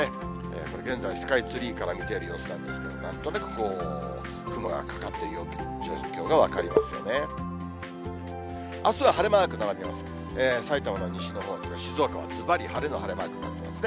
これ、現在のスカイツリーから見ている様子なんですけれども、なんとなく雲がかかっている状況が分かりますよね。